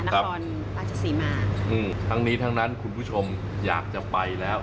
นครราชสีมาอืมทั้งนี้ทั้งนั้นคุณผู้ชมอยากจะไปแล้ว